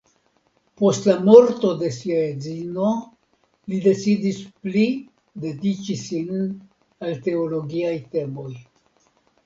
Post la morto de sia edzino li decidis pli dediĉi sin al teologiaj temoj.